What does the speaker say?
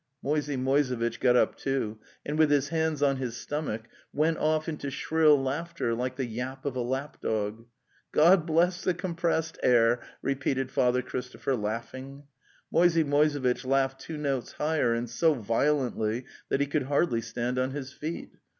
Moisey Moisevitch got up, too, and with his hands on his stomach, went off into shrill laughter like the yap of a lap dog. '" God bless the compressed air!" repeated Father Christopher, Jaughing. Moisey Moisevitch laughed two notes higher and so violently that he could hardly stand on his feet.